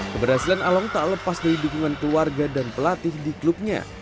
keberhasilan along tak lepas dari dukungan keluarga dan pelatih di klubnya